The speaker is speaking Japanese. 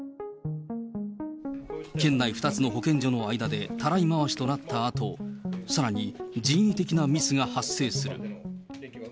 県内２つの保健所の間でたらい回しとなったあと、さらに人為的なミスが発生する。